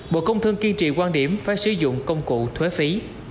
bộ công thương kiên trì quan điểm phải sử dụng công cụ thuế phí